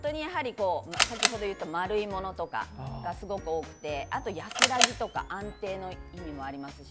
丸いものとかがすごく多くて、安らぎとか安定の意味もありますし。